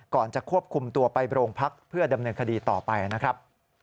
จะควบคุมตัวไปโรงพักเพื่อดำเนินคดีต่อไปนะครับ